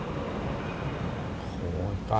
พี่ยังไม่ได้กล่าวหาอะไรน้องสักคำนะ